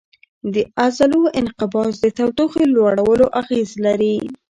د عضلو انقباض د تودوخې لوړولو اغېز لري.